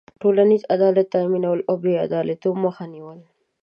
ټولنیز عدالت تأمینول او بېعدالتيو مخه نېول.